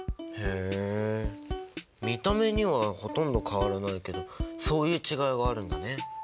へえ見た目にはほとんど変わらないけどそういう違いがあるんだね。